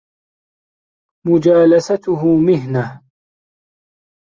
مُجَالَسَتُهُ مِهْنَةٌ